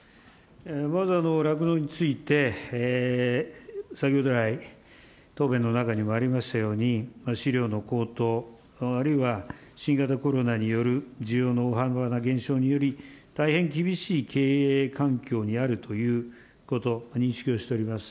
まず酪農について、先ほど来、答弁の中にもありましたように、飼料の高騰、あるいは新型コロナによる需要の大幅な減少により、大変厳しい経営環境にあるということ、認識をしております。